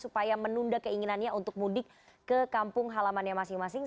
supaya menunda keinginannya untuk mudik ke kampung halamannya masing masing